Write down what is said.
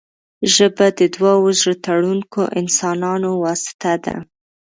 ژبه د دوو زړه تړونکو انسانانو واسطه ده